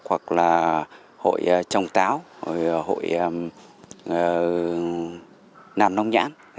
hoặc là hội trồng táo hội nằm nông nhãn